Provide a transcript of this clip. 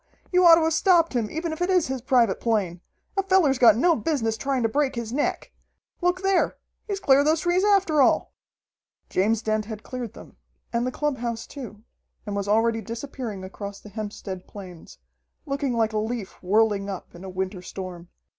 You ought to have stopped him, even if it is his private plane! A feller's got no business trying to break his neck! Look there! He's cleared those trees after all!" James Dent had cleared them, and the clubhouse too, and was already disappearing across the Hempstead Plains, looking like a leaf whirling up in a winter storm.